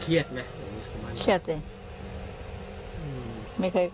เครียดไหมคุณผู้ชมมันเครียดสิ